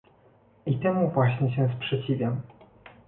I temu właśnie się sprzeciwiam